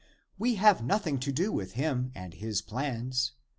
We have nothing to do (p. 2']^ with him and his plans.